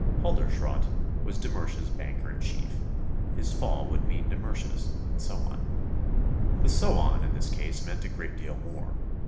Halderschrodt was de Mersch's banker in chief; his fall would mean de Mersch's, and so on. The "so on" in this case meant a great deal more.